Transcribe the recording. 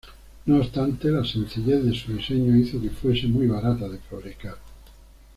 No obstante, la sencillez de su diseño hizo que fuese muy barata de fabricar.